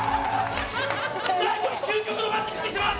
最後は究極のマジック見せます